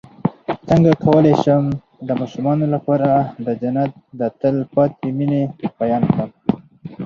څنګه کولی شم د ماشومانو لپاره د جنت د تل پاتې مینې بیان کړم